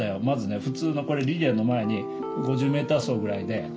まずね普通のこれリレーの前に５０ｍ走ぐらいで。